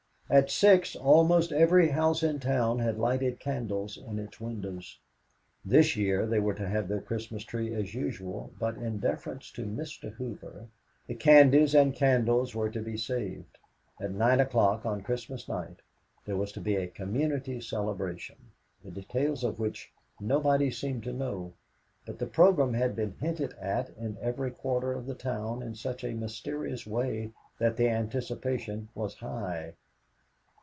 At six, almost every house in town had lighted candles in its windows. This year they were to have their Christmas tree as usual, but, in deference to Mr. Hoover, the candies and candles were to be saved. At nine o'clock on Christmas night, there was to be a community celebration, the details of which nobody seemed to know, but the program had been hinted at in every quarter of the town in such a mysterious way that the anticipation was high.